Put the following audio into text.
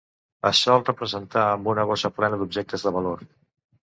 Es sol representar amb una borsa plena d'objectes de valor.